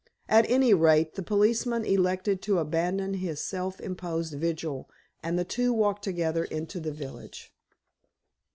At any rate, the policeman elected to abandon his self imposed vigil, and the two walked together into the village.